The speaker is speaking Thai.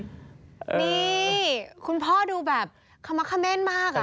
นี่คุณพ่อดูแบบคำว่าคเม้นมาก